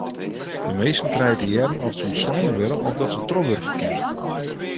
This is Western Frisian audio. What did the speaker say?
De minsken krije te hearren oft se ûntslein wurde of dat se trochwurkje kinne.